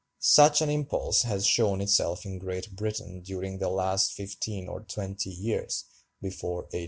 Such an impulse has shown itself in Great Britain during the last fifteen or twenty years [before 1847].